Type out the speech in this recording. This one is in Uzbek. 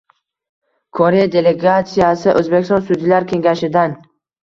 Koreya delegatsiyasi O‘zbekiston Sudyalar kengashidang